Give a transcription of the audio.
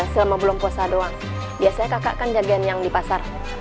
selama belum puasa doang biasanya kakak kan jagian yang di pasar